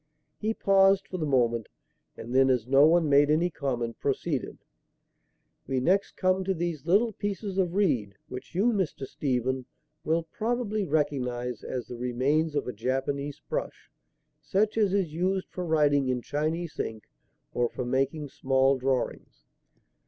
He paused for the moment, and then, as no one made any comment, proceeded: "We next come to these little pieces of reed, which you, Mr. Stephen, will probably recognize as the remains of a Japanese brush, such as is used for writing in Chinese ink or for making small drawings."